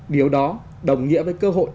điều đó đồng nghĩa với cơ hội